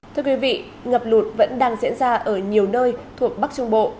thưa quý vị ngập lụt vẫn đang diễn ra ở nhiều nơi thuộc bắc trung bộ